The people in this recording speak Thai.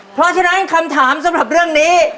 เพราะฉะนั้นคำถามสำหรับเรื่องนี้